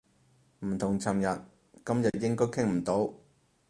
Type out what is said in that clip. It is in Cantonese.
唔同尋日，今日應該傾唔到